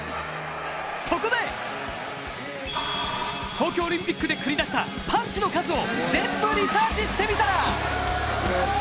そこで東京オリンピックで繰り出したパンチの数を、全部リサーチしてみたら！